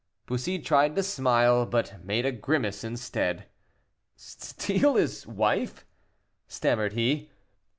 Bussy tried to smile, but made a grimace instead. "Steal his wife!" stammered he.